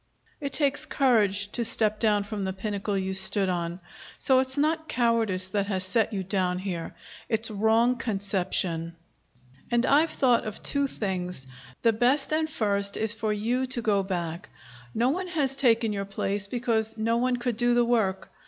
It takes courage to step down from the pinnacle you stood on. So it's not cowardice that has set you down here. It's wrong conception. And I've thought of two things. The first, and best, is for you to go back. No one has taken your place, because no one could do the work.